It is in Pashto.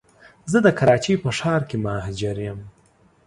زه د کراچی په ښار کي مهاجر یم